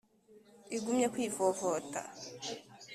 igumye kwivovota,